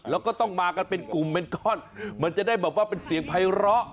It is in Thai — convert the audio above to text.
แล้วต้องมากันเป็นกลุ่มเมนคอนมันจะได้เป็นเสียงไภร้อ